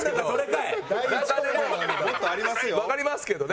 わかりますけどね。